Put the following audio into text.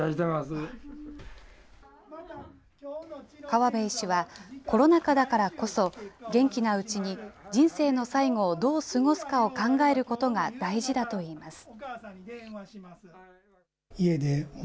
川邉医師は、コロナ禍だからこそ、元気なうちに人生の最後をどう過ごすかを考えることが大事だといいます。